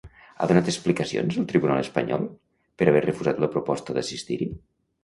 Ha donat explicacions el tribunal espanyol, per haver refusat la proposta d'assistir-hi?